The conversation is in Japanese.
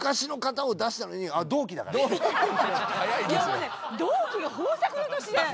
もうね同期が豊作の年で。